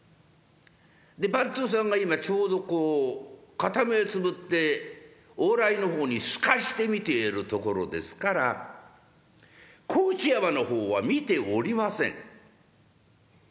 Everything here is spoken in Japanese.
で番頭さんが今ちょうどこう片目をつぶって往来の方に透かして見ているところですから河内山の方は見ておりません。